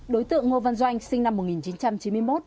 đối tượng ngô văn doanh sinh năm một nghìn chín trăm chín mươi một